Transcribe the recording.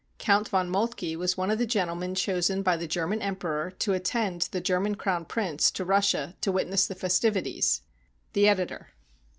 Count von Moltke was one of the gentlemen chosen by the German Emperor to attend the German Crown Prince to Russia to witness the festivities. The Editor.